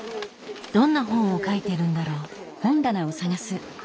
どんな本を描いてるんだろう？